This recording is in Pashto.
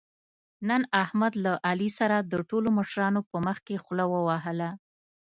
نن احمد له علي سره د ټولو مشرانو په مخکې خوله ووهله.